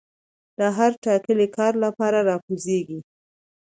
د هر ټاکلي کار لپاره را کوزيږي